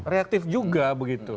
reaktif juga begitu